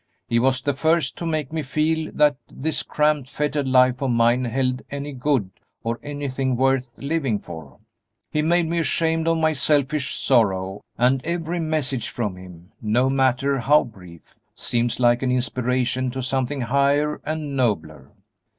He was the first to make me feel that this cramped fettered life of mine held any good or anything worth living for. He made me ashamed of my selfish sorrow, and every message from him, no matter how brief, seems like an inspiration to something higher and nobler."